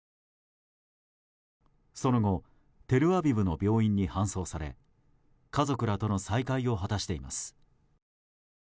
その後テルアビブの病院に搬送され家族らとの再会を果たしています。